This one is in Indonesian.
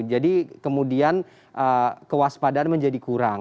jadi kemudian kewaspadaan menjadi kurang